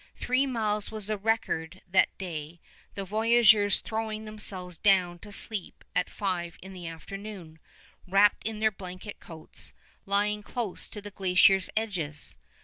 Three miles was the record that day, the voyageurs throwing themselves down to sleep at five in the afternoon, wrapped in their blanket coats lying close to the glacier edges.